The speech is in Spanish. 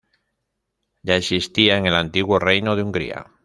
Ya existía en el antiguo Reino de Hungría.